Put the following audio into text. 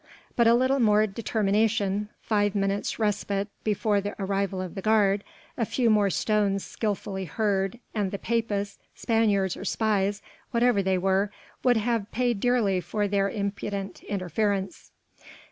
But a little more determination five minutes respite before the arrival of the guard, a few more stones skilfully hurled and the Papists, Spaniards or Spies whatever they were would have paid dearly for their impudent interference.